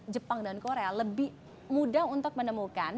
jepang dan korea lebih mudah untuk menemukan